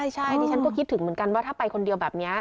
ใช่ดิฉันก็คิดถึงเหมือนกันว่าถ้าไปคนเดียวแบบนี้